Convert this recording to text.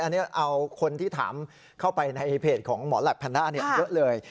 อันนี้เอาคนที่ถามเข้าไปในเพจของหมอแหลปแพนด้าเยอะเลย